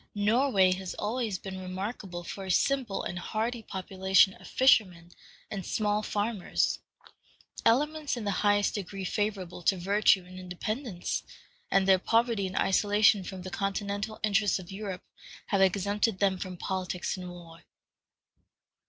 Norway has always been remarkable for a simple and hardy population of fishermen and small farmers, elements in the highest degree favorable to virtue and independence, and their poverty and isolation from the continental interests of Europe have exempted them from politics and war.